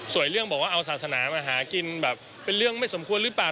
ส่วนเรื่องบอกว่าเอาศาสนามาหากินแบบเป็นเรื่องไม่สมควรหรือเปล่า